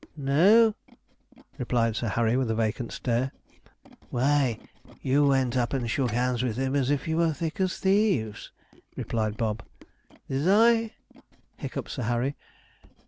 'No,' replied Sir Harry, with a vacant stare. 'Why, you went up and shook hands with him, as if you were as thick as thieves,' replied Bob. 'Did I?' hiccuped Sir Harry.